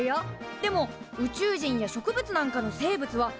でも宇宙人や植物なんかの生物は発見されてないんだ。